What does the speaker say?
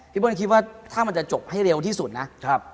เบิ้ลคิดว่าถ้ามันจะจบให้เร็วที่สุดนะครับ